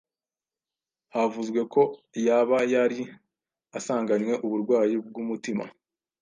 havuzwe ko yaba yari asanganywe uburwayi bw’umutima